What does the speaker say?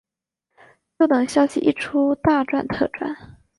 就等消息一出大赚特赚